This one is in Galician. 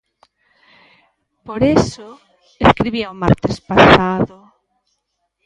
Por eso, escribía o martes pasado: